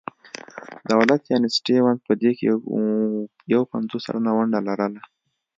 دولت یعنې سټیونز په دې کې یو پنځوس سلنه ونډه لرله.